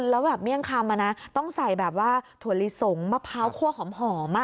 แล้วแบบเมี่ยงคำต้องใส่แบบว่าถั่วลิสงมะพร้าวคั่วหอม